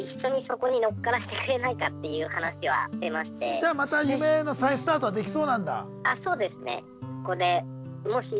☎で経営始めたのでじゃあまた夢の再スタートはできそうなんだ？